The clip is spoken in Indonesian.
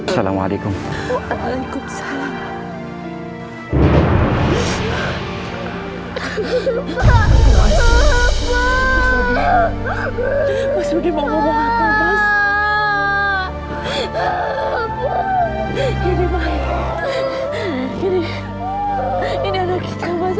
selama alaikum waalaikumsalam